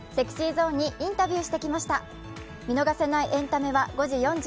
ＳｅｘｙＺｏｎｅにインタビューしてきました。